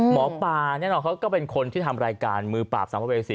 หมอปลาแน่นอนเขาก็เป็นคนที่ทำรายการมือปราบสัมภเวษี